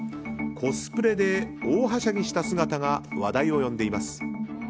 コスプレで大はしゃぎした姿が話題を呼んでいます。